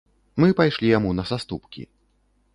Мы пайшлі яму на саступкі.